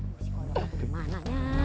masih kodok dimananya